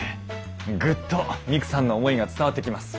グッとミクさんの思いが伝わってきます。